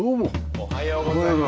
おはようございます。